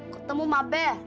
ketemu mak be